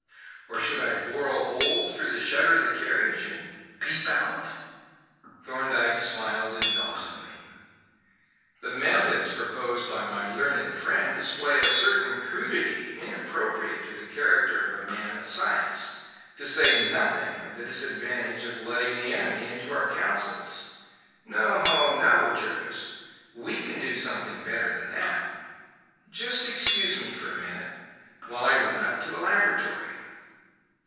Or should I bore a hole through the shutter of the carriage and peep out?" Thorndyke smiled indulgently. "The methods proposed by my learned friend display a certain crudity inappropriate to the character of a man of science; to say nothing of the disadvantage of letting the enemy into our counsels. No, no, Jervis; we can do something better than that. Just excuse me for a minute while I run up to the laboratory."